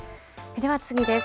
では、次です。